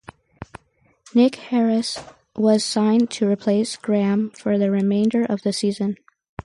Nick Harris was signed to replace Graham for the remainder of the season.